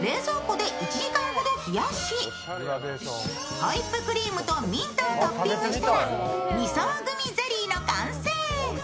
ホイップクリームとミントをトッピングしたら２層グミゼリーの完成。